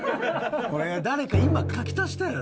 これ誰か今書き足したやろ。